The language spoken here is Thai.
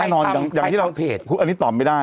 ใครทำ